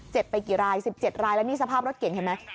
ไปกี่ราย๑๗รายแล้วนี่สภาพรถเก่งเห็นไหม